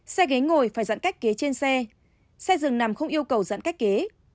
xe ghế ngồi phải dặn cách kế trên xe xe dừng nằm không yêu cầu dặn cách kế